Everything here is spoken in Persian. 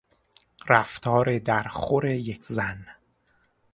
رفتار درخور یک زن